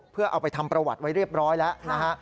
เพื่อเอาไปทำประวัติไว้เรียบร้อยแล้วนะฮะ